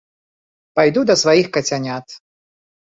Пайду да сваіх кацянят!